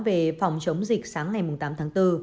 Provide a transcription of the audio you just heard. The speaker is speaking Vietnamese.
về phòng chống dịch sáng ngày tám tháng bốn